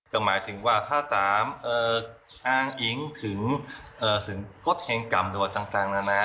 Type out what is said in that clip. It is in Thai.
ก็หมายถึงว่าถ้าตามอ้างอิงถึงกดแห่งกรรมโดดต่างนะนะ